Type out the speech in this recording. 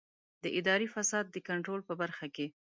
د اداري فساد د کنټرول په برخه کې.